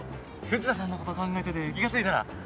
藤田さんのこと考えてて気が付いたら。